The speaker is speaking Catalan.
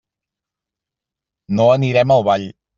No anirem al ball.